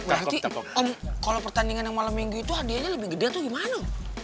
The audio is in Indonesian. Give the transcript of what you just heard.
berarti om kalau pertandingan yang malam minggu itu hadiahnya lebih gede atau gimana